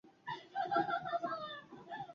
Le sobrevive su hermana Norma Dumas.